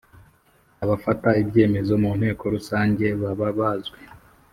abafata Ibyemezo mu Nteko Rusange baba bazwi